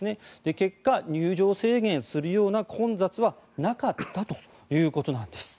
結果、入場制限するような混雑はなかったということなんです。